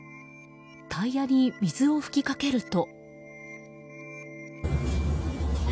タイヤに水を吹きかけると。